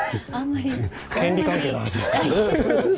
権利関係の話ですか。